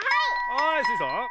はいスイさん。